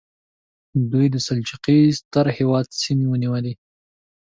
دوی د سلجوقي ستر هېواد سیمې ونیولې.